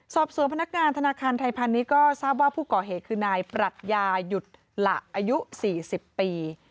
สอบสวนพนักงานธนาคารไทยพาณิชย์ก็ทราบว่าผู้ก่อเหตุคือนายปรัชญาหยุดหละอายุ๔๐ปี